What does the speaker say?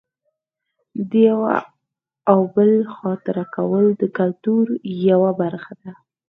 د یوه او بل خاطر کول د کلتور یوه برخه ده.